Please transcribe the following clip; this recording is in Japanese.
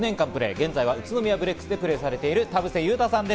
現在は宇都宮ブレックスでプレーされている田臥勇太さんです。